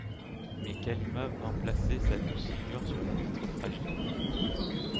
Mais Kalumah vint placer sa douce figure sur la vitre fragile.